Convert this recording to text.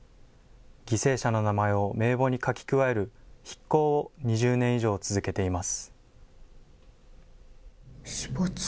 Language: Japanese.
犠牲者の名前を名簿に書き加える筆耕を２０年以上続けています。